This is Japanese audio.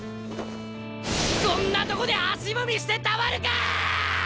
こんなとこで足踏みしてたまるかあ！